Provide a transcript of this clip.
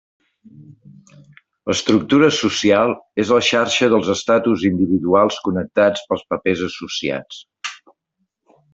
L'estructura social és la xarxa dels estatus individuals connectats pels papers associats.